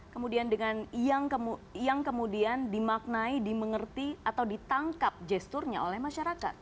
kemudian dengan yang kemudian dimaknai dimengerti atau ditangkap gesturnya oleh masyarakat